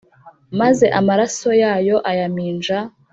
Maze amaraso yayo ayaminja